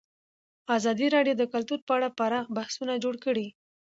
ازادي راډیو د کلتور په اړه پراخ بحثونه جوړ کړي.